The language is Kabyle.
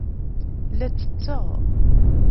La ttetteɣ.